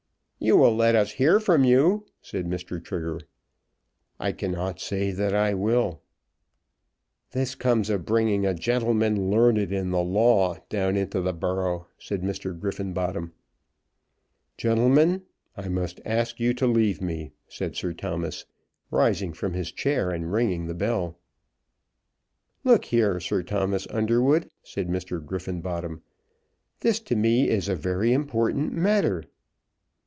"You will let us hear from you," said Mr. Trigger. "I cannot say that I will." "This comes of bringing a gentleman learned in the law down into the borough," said Mr. Griffenbottom. "Gentlemen, I must ask you to leave me," said Sir Thomas, rising from his chair and ringing the bell. "Look here, Sir Thomas Underwood," said Mr. Griffenbottom. "This to me is a very important matter."